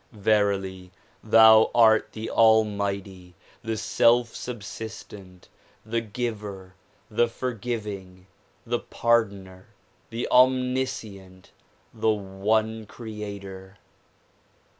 Verily thou art the almighty, the self snibsistent, the giver, the forgiving, the pardoner, the omniscient, the one creator!